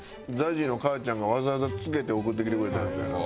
ＺＡＺＹの母ちゃんがわざわざ漬けて送ってきてくれたやつやな。